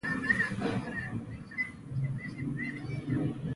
هغه یهودي چې پر ما یې خځلې اچولې چېرته دی؟